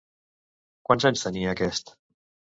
Quants anys tenia aquest?